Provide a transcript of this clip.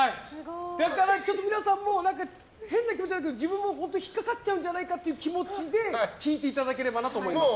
だから皆さんも変な気持じゃなく自分も引っかかっちゃうんじゃないかという気持ちで聞いていただければなと思います。